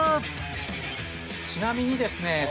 ちなみにですね